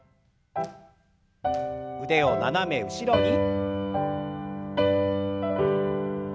腕を斜め後ろに。